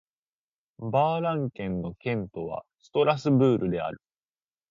バ＝ラン県の県都はストラスブールである